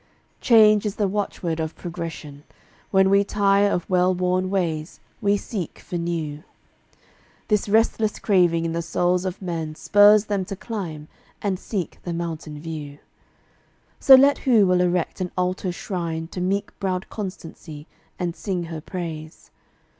Change is the watchword of Progression. When We tire of well worn ways we seek for new. This restless craving in the souls of men Spurs them to climb, and seek the mountain view. So let who will erect an altar shrine To meek browed Constancy, and sing her praise.